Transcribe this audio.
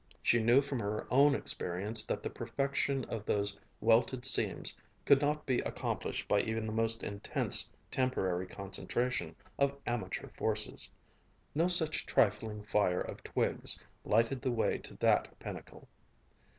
She knew from her own experience that the perfection of those welted seams could not be accomplished by even the most intense temporary concentration of amateur forces. No such trifling fire of twigs lighted the way to that pinnacle.